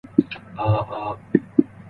Cocu was sent off in the return match.